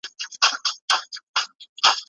که انتباه کمه وي نو د زده کړي بهیر ورو کیږي.